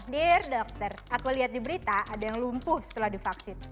dear dokter aku lihat di berita ada yang lumpuh setelah divaksin